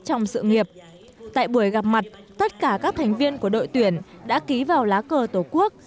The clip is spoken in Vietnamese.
trong sự nghiệp tại buổi gặp mặt tất cả các thành viên của đội tuyển đã ký vào lá cờ tổ quốc